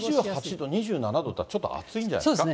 ２６度、２７度っていったら、ちょっと暑いんじゃないですか。